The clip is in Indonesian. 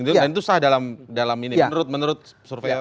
dan itu sah dalam ini menurut surveiarnya